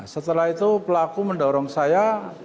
setelah itu pelaku mendorong saya